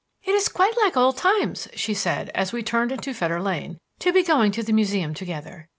"It is quite like old times," she said, as we turned into Fetter Lane, "to be going to the Museum together.